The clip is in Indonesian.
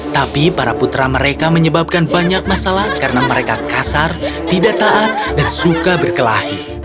tapi para putra mereka menyebabkan banyak masalah karena mereka kasar tidak taat dan suka berkelahi